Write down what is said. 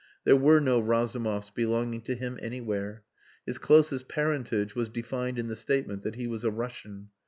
There were no Razumovs belonging to him anywhere. His closest parentage was defined in the statement that he was a Russian.